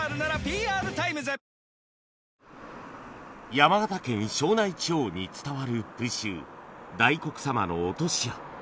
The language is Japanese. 山形県庄内地方に伝わる風習「大黒様のお歳夜」